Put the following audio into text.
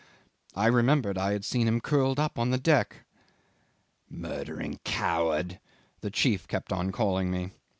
I remembered I had seen him curled up on the deck. 'Murdering coward!' the chief kept on calling me.